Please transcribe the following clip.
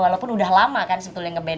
walaupun udah lama kan sebetulnya nge band